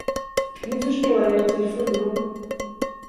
Vi förstår er till fullo.